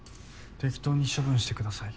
適当に処分してください。